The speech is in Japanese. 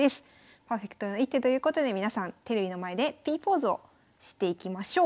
パーフェクトな一手ということで皆さんテレビの前でＰポーズをしていきましょう。